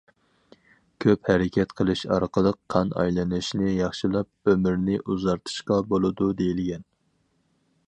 كۆپ ھەرىكەت قىلىش ئارقىلىق قان ئايلىنىشىنى ياخشىلاپ، ئۆمۈرنى ئۇزارتىشقا بولىدۇ دېيىلگەن.